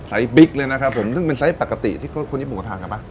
ไซส์บิกเลยนะครับผมซึ่งเป็นไซส์ปกติที่คนญี่ปุ่นก็ทานกันปะ